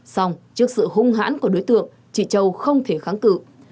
xong trước sự hung hãn của đối tượng chị châu không thể kháng cự